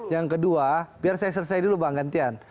yang kedua biar saya selesai dulu bang gantian